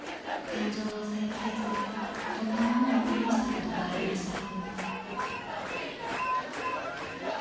感情を抑えきれずにこんなものを手にしたことがありました］